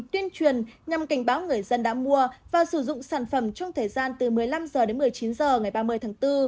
tuyên truyền nhằm cảnh báo người dân đã mua và sử dụng sản phẩm trong thời gian từ một mươi năm h đến một mươi chín h ngày ba mươi tháng bốn